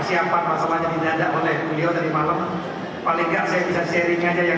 semuanya di danda oleh beliau dari malam paling enggak saya bisa sharing aja yang